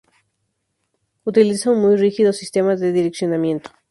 Utiliza un muy rígido sistema de direccionamiento.